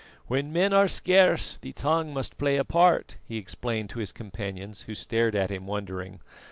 "When men are scarce the tongue must play a part," he explained to his companions, who stared at him wondering.